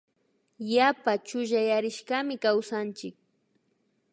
Yapa chullayarishkami kawsanchik